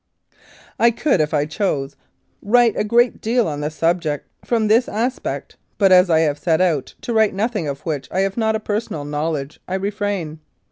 I could, if I chose, write a great deal on the subject from this aspect, but as I have set out to write nothing of which I have not a personal knowledge I refrain.